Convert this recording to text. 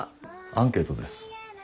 アンケートです。